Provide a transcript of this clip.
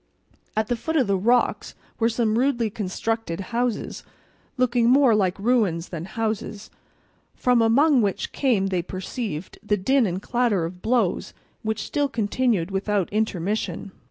At the foot of the rocks were some rudely constructed houses looking more like ruins than houses, from among which came, they perceived, the din and clatter of blows, which still continued without intermission.